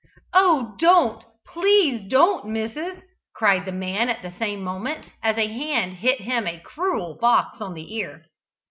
"Oh, don't, please don't, missis!" cried the man at the same moment, as a hand hit him a cruel box on the ear.